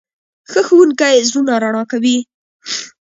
ښه ښوونکی زړونه رڼا کوي.